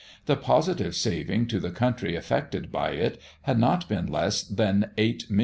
The positive saving to the country effected by it, had not been less than 8,000,000_l.